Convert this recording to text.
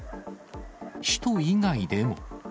首都以外でも。